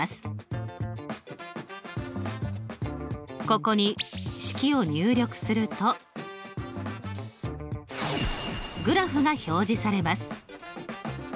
ここに式を入力するとグラフが表示されます。